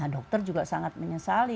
dokter juga sangat menyesali